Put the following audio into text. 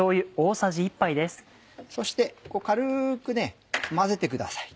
そして軽くね混ぜてください。